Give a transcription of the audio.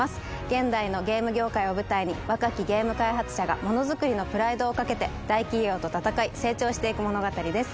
現代のゲーム業界を舞台に若きゲーム開発者がものづくりのプライドをかけて大企業と戦い成長していく物語です